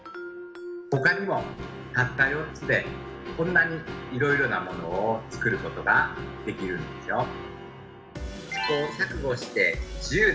ほかにもたった４つでこんなにいろいろなものを作ることができるんですよ。